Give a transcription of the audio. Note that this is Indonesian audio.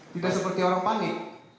tidak seperti orang panik